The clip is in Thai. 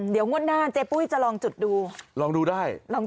เดี๋ยวงวดหน้าเจ๊ปุ้ยจะลองจุดดูลองดูได้ลอง